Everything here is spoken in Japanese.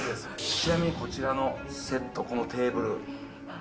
ちなみにこちらのセット、このテーブル。